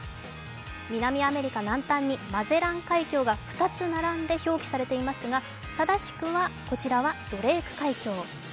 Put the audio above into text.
南アメリカ南端にマゼラン海峡が２つ並んで表記されていますが正しくは、こちらはドレーク海峡。